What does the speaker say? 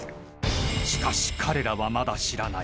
［しかし彼らはまだ知らない］